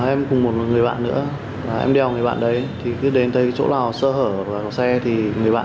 em cùng một người bạn nữa em đeo người bạn đấy thì cứ đến tới chỗ nào sơ hở và có xe thì người bạn